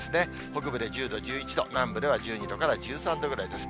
北部で１０度、１１度、南部では１２度から１３度ぐらいです。